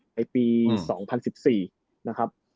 ในปี๒๐๑๔นะครับ